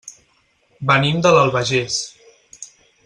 Venim de l'Albagés.